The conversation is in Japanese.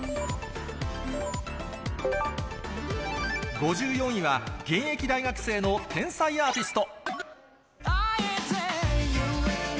５４位は、現役大学生の天才アーティスト。